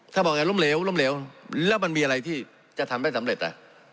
ถ้าบอกไงล้มเหลวล้มเหลวแล้วมันมีอะไรที่จะทำได้สำเร็จ